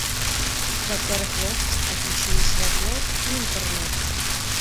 У кватэры хлопца адключылі святло і інтэрнэт.